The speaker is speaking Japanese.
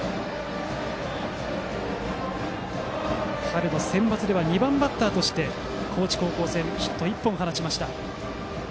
春のセンバツでは２番バッターとして高知高校戦ヒット１本を放ちました。